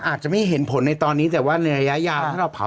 อาจจะไม่เห็นผลในตอนนี้แต่ว่าในระยะยาวถ้าเราเผา